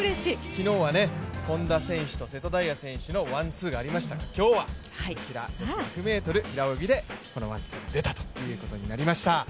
昨日は本多選手と瀬戸大也選手のワンツーがありましたから、今日はこちら、女子１００ｍ平泳ぎでこのワンツーが出たということになりました。